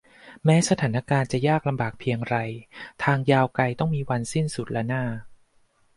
แม้สถานการณ์จะยากลำบากเพียงไรทางยาวไกลต้องมีวันสิ้นสุดล่ะน่า